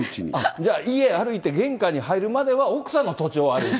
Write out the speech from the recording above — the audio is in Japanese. じゃあ、家、歩いて、玄関に入るまでは奥さんの土地を歩いて。